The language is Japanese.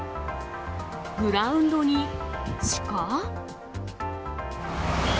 グラウンドにシカ？